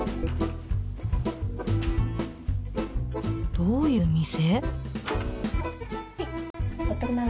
どういう店？